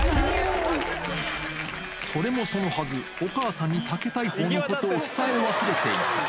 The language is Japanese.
それもそのはず、お母さんに竹大砲のことを伝え忘れていた。